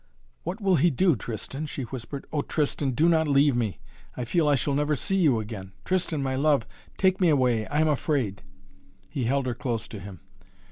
"What will he do, Tristan?" she whispered, "Oh, Tristan, do not leave me! I feel I shall never see you again, Tristan my love take me away I am afraid " He held her close to him.